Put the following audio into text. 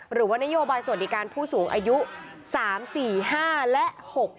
หรือว่านโยบายสวัสดิการผู้สูงอายุ๓๔๕และ๖๗